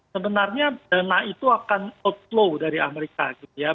sebenarnya dana itu akan outflow dari amerika gitu ya